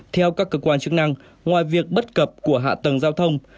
theo các cơ quan chức năng ngoài việc bất cập của hạ tầng giao thông